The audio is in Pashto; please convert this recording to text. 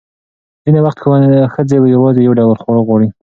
ځینې وخت ښځې یوازې یو ډول خواړه غواړي.